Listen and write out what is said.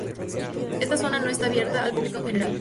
Esta zona no está abierta al público en general.